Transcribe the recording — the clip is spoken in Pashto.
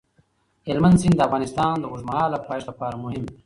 هلمند سیند د افغانستان د اوږدمهاله پایښت لپاره مهم دی.